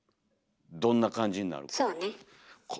どんな感じになるか。